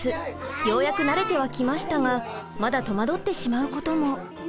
ようやく慣れてはきましたがまだ戸惑ってしまうことも。